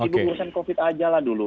cipu urusan covid aja lah dulu